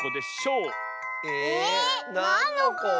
えなんのこ？